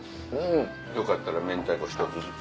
よかったら明太子１つずつ。